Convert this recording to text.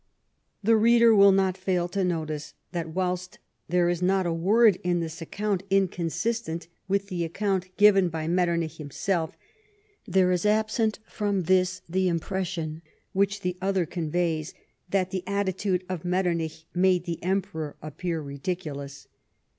The reader will not fail to notice that whilst there is not a word in this account inconsistent wdth the account given by Metternich himself, there is absent from this the impression which the other conveys that the attitude of Metternich made the Emperor appear ridiculous.